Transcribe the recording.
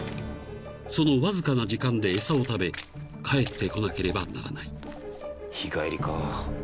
［そのわずかな時間で餌を食べ帰ってこなければならない］